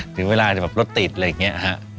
ถึงเวลาจะแบบรถติดอะไรอย่างนี้ฮะ